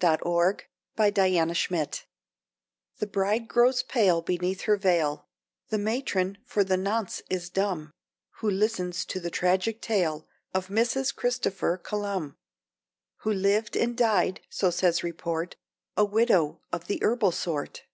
Mrs. Christopher Columbus The bride grows pale beneath her veil, The matron, for the nonce, is dumb, Who listens to the tragic tale Of Mrs. Christopher Columb: Who lived and died (so says report) A widow of the herbal sort.